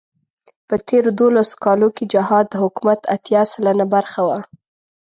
په تېرو دولسو کالو کې جهاد د حکومت اتيا سلنه برخه وه.